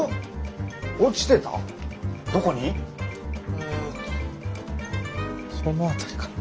えっとその辺りかな。